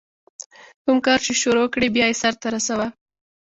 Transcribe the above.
کوم کار چي شروع کړې، بیا ئې سر ته رسوه.